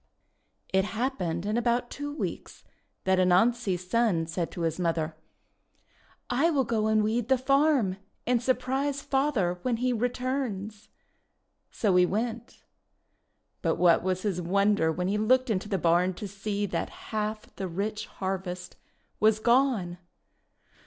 ANANSI THE SPIDER MAN 167 It happened in about two weeks that Anansi's son said to his mother: "I will go and weed the farm, and surprise father when he returns." So he went. But what was his wonder when he looked into the barn to see that half the rich harvest was gone!